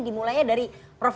dimulainya dari prof